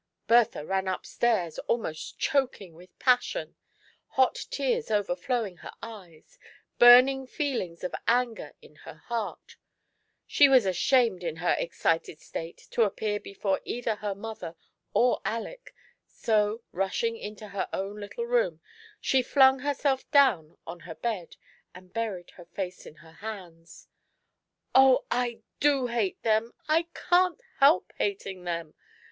Bertha ran up stairs, almost choking with passion — hot tears overflowing her eyes, burning feelings of anger in her heart ; she was ashamed in her excited state to appear before either her mother or Aleck, so, rushing into her own little room, she flung herself down on her bed, and buried her face in her hands. " Oh, I do hate them — I can't help hating them